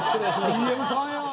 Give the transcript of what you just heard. Ｔ．Ｍ．さんや！